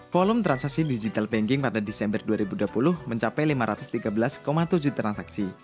volume transaksi digital banking pada desember dua ribu dua puluh mencapai lima ratus tiga belas tujuh transaksi